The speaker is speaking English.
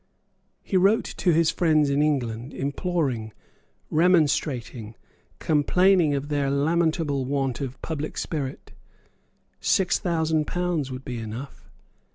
He wrote to his friends in England imploring, remonstrating, complaining of their lamentable want of public spirit. Six thousand pounds would be enough.